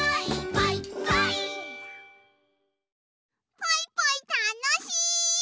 ポイポイたのしい！